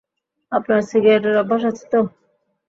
আপনার সিগারেটের অভ্যাস আছে তো?